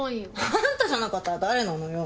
あんたじゃなかったら誰なのよ？